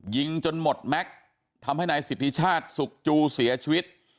ยิงจนหมดแม็กซ์ทำให้นายสิทธิชาติสุกจูเสียชีวิต